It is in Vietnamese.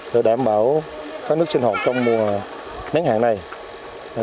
tôi muốn nói bonne voyage